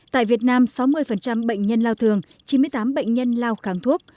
tại việt nam sáu mươi bệnh nhân lao thường chín mươi tám bệnh nhân lao kháng thuốc